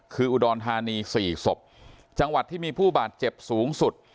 คืออุดรธานีสี่ศพจังหวัดที่มีผู้บาดเจ็บสูงสุด